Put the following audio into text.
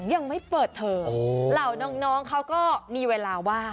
ยังไม่เปิดเทอมเหล่าน้องเขาก็มีเวลาว่าง